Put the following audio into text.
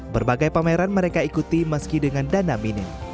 berbagai pameran mereka ikuti meski dengan dana minim